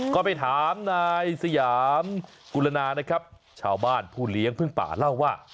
ก็ไปถามนายสยามกุลนานะครับชาวบ้านผู้เลี้ยงพึ่งป่าเล่าว่า